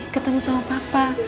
ketemu sama papa